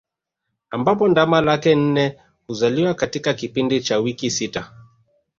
Ambapo ndama laki nne huzaliwa katika kipindi cha wiki sita